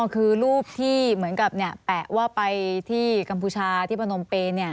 คือรูปที่เหมือนกับแปะว่าไปที่กัมพูชาที่พนมเปน